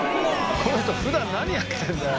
この人普段何やってるんだよ。